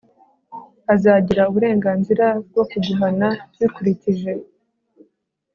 azagira uburenganzira bwo kuguhana bikurikije